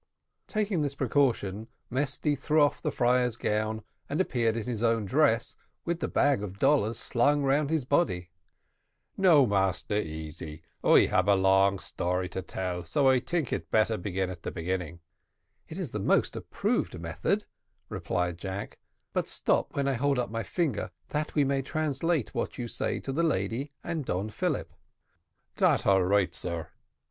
Taking this precaution, Mesty threw off the friar's gown, and appeared in his own dress, with the bag of dollars slung round his body. "Now, Massa Easy, I hab a long tory to tell so I tink I better begin at the beginning." "It is the most approved method," replied Jack; "but stop when I hold up my finger, that we may translate what you say to the lady and Don Philip." "Dat all right, sar.